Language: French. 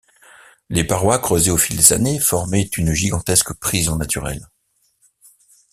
Les parois creusées au fil des années formaient une gigantesque prison naturelle.